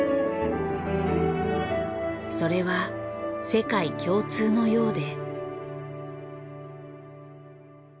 それは世界共通のようで。